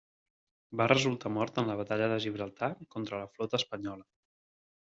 Va resultar mort en la batalla de Gibraltar contra la flota espanyola.